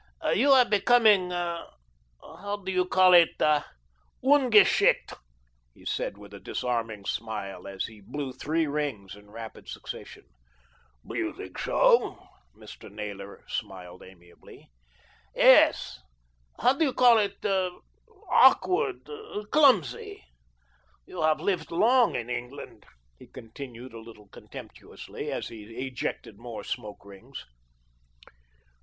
"You are becoming, how do you call it, ungeschickt," he said with a disarming smile, as he blew three rings in rapid succession. "You think so?" Mr. Naylor smiled amiably. "Yes, how do you call it, awkward, clumsy. You have lived long in England," he continued a little contemptuously, as he ejected more smoke rings.